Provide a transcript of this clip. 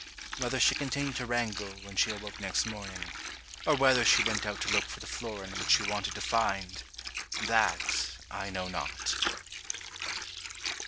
Whether she continued to wrangle when she awoke next morning, or whether she went out to look for the florin which she wanted to find, that I know not.